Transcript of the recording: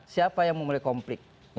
siapa yang memulai komplik